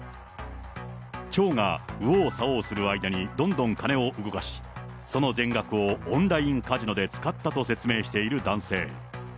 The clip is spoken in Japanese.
町が右往左往する間にどんどん金を動かし、その全額をオンラインカジノで使ったと説明している男性。